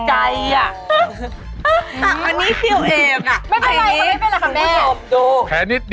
อร่อยจริงออร่อยจริงอ